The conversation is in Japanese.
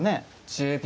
１０秒。